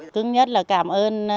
cứ nhất là cảm ơn